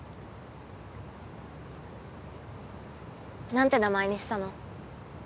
何て名前にしたの？